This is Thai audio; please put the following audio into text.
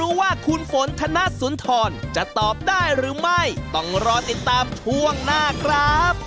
อันนี้ถูกสุดไฟฉายถูกค่ะ